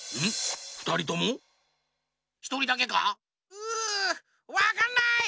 うわかんない！